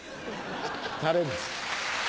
タレです。